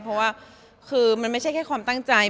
เพราะว่าคือมันไม่ใช่แค่ความตั้งใจ